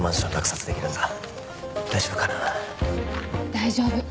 大丈夫。